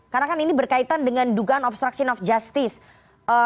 karena kan ini berkaitan dengan dugaan obstruction of justice